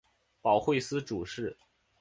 保惠司主事。